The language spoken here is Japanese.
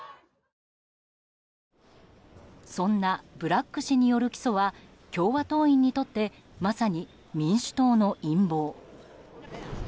そんなブラッグ氏による起訴は共和党員にとってまさに民主党の陰謀。